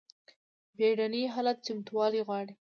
بیړني حالات چمتووالی غواړي